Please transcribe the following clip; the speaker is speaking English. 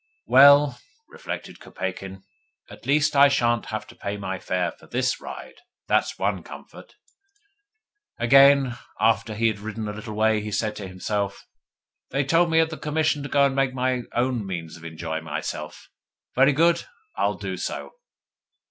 'Well,' reflected Kopeikin, 'at least I shan't have to pay my fare for THIS ride. That's one comfort.' Again, after he had ridden a little way, he said to himself: 'they told me at the Commission to go and make my own means of enjoying myself. Very good. I'll do so.